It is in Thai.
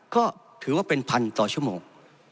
ก็ถือว่าเป็นพันต่อชั่วโมง